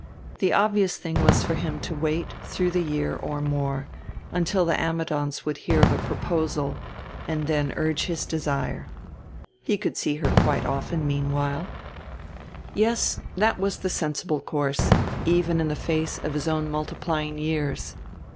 The obvious thing was for him to wait through the year or more until the Ammidons would hear of a proposal and then urge his desire.... He could see her quite often meanwhile. Yes, that was the sensible course, even in the face of his own multiplying years.